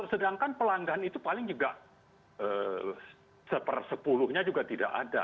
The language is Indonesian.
sedangkan pelanggan itu paling juga sepuluhnya juga tidak ada